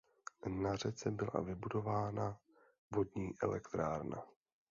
Na řece byla vybudovaná vodní elektrárna.